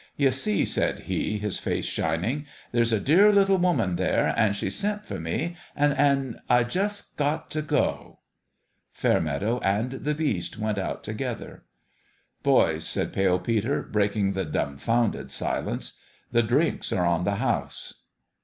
" Ye see," said he, his face shining, "there's a dear little woman there, an' she's sent for me, an' an' I jus' got f go!" Fairmeadow and the Beast went out together. " Boys," said Pale Peter, breaking the dumb founded silence, " the drinks are on the house